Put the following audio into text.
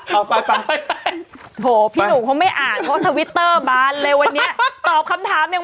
เอาไปไปไปโห่พี่หนุ่มเขาไม่อ่านตะวิธีเตอร์บาลเลยวันนี้ตอบคำถามยัง